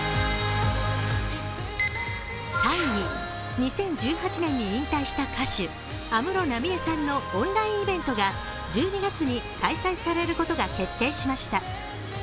２０１８年に引退した歌手、安室奈美恵さんのオンラインイベントが１２月に開催されることが決定しました。